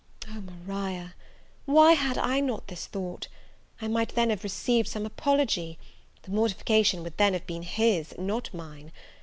Oh, Maria! why had I not this thought? I might then have received some apology; the mortification would then have been his, not mine.